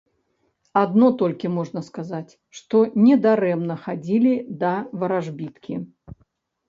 Адно толькі можна сказаць, што недарэмна хадзілі да варажбіткі.